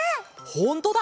ほんとだ！